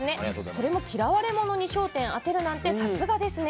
それも嫌われ者に焦点を当てるなんてさすがですね。